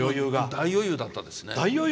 大余裕だったですね。